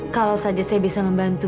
kalau saja saya bisa membantu